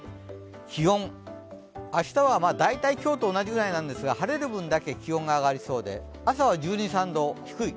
気温、明日は大体今日と同じぐらいなんですが、晴れる分だけ気温が上がりそうで朝は１２１３度、低い。